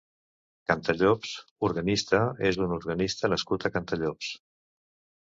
Cantallops (organista) és un organista nascut a Cantallops.